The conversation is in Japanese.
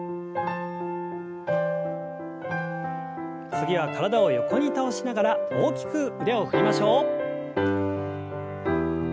次は体を横に倒しながら大きく腕を振りましょう。